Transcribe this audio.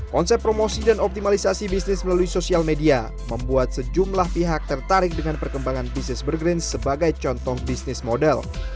konsep promosi dan optimalisasi bisnis melalui sosial media membuat sejumlah pihak tertarik dengan perkembangan bisnis burgrins sebagai contoh bisnis model